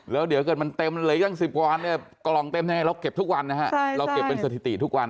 แล้วเดี๋ยวเกิดมันเต็มเหลืออีกตั้ง๑๐วัน